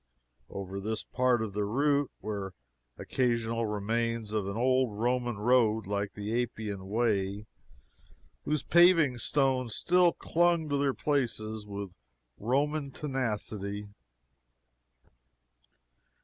Over this part of the route were occasional remains of an old Roman road like the Appian Way, whose paving stones still clung to their places with Roman tenacity.